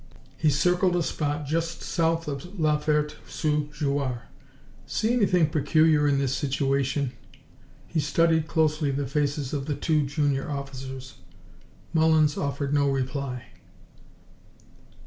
He circled a spot just south of La Ferte sous Jouarre. "See anything peculiar in this situation?" He studied closely the faces of the two junior officers. Mullins offered no reply.